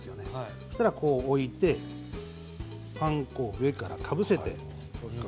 そしてパン粉を上からかぶせて。